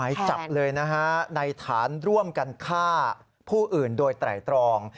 หมายจับเลยนะฮะในฐานร่วมกันฆ่าผู้อื่นโดยไตรตรอง